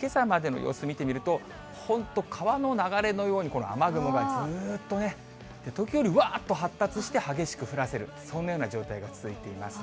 けさまでの様子見てみると、本当、川の流れのように、この雨雲がずっとね、時折、うわっと発達して激しく降らせる、そんなような状態が続いています。